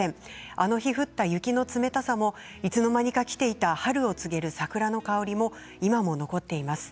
あの日降った雪の冷たさもいつの間にか来ていた春を告げる桜の香りも今も残っています。